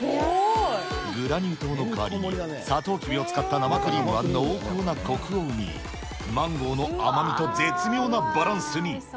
グラニュー糖の代わりにサトウキビを使った生クリームは濃厚なこくを生み、マンゴーの甘みと絶妙なバランスに。